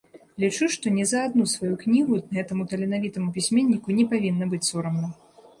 Лічу, што ні за адну сваю кнігу гэтаму таленавітаму пісьменніку не павінна быць сорамна.